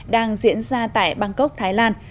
đang diễn ra tại bangkok thái lan